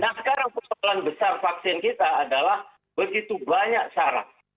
nah sekarang persoalan besar vaksin kita adalah begitu banyak syarat